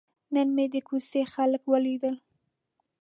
نن مې د کوڅې خلک ولیدل.